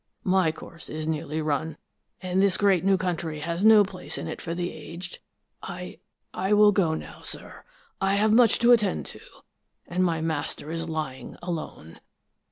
My course is nearly run, and this great new country has no place in it for the aged. I I will go now, sir. I have much to attend to, and my master is lying alone."